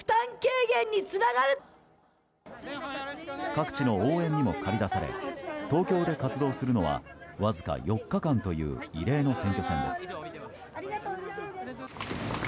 各地の応援にも駆り出され東京で活動するのはわずか４日間という異例の選挙戦です。